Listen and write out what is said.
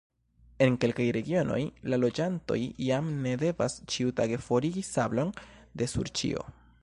En kelkaj regionoj, la loĝantoj jam ne devas ĉiutage forigi sablon de sur ĉio.